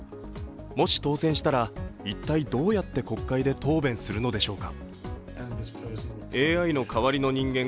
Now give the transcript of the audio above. もし当選したら一体どうやって国会で答弁するのでしょうか。